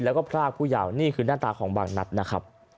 และผลากผู้ยาวนี้คือน่าตาของบางนัดนะครับ